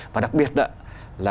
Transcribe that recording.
và đặc biệt là